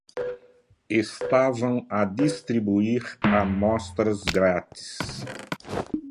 Estavam a distribuir amostras grátis.